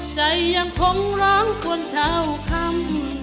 ใจยังคงร้องคนเช่าคำ